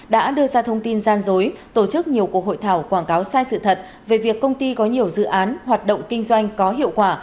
đã đưa ra thông tin gian dối tổ chức nhiều cuộc hội thảo quảng cáo sai sự thật về việc công ty có nhiều dự án hoạt động kinh doanh có hiệu quả